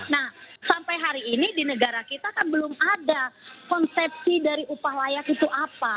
nah sampai hari ini di negara kita kan belum ada konsepsi dari upah layak itu apa